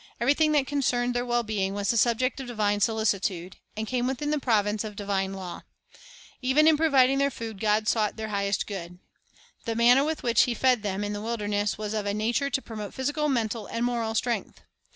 Everything that concerned their well being was the subject of divine solicitude, and came within the province of divine law. Even in providing their food, God sought their highest good. The manna with which He fed them in the wilderness was of a nature to promote physical, mental, and moral strength.